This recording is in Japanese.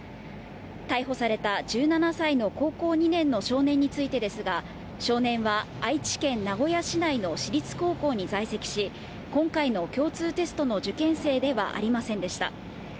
逮捕された１７歳の高校２年の少年についてですが、少年は、愛知県名古屋市内の私立高校に在籍し、今回の共通テストの受験生ではありませんでした。